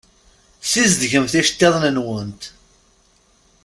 Sizdegemt iceṭṭiḍen-nwent.